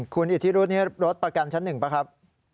คุณอิทธิรุธนี้รถประกันชั้น๑ป่ะครับ